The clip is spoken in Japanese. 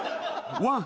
ワン。